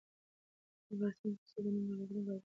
افغانستان کې پسه د نن او راتلونکي ارزښت لري.